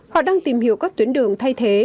họ đang tìm hiểu các tuyến đường thay thế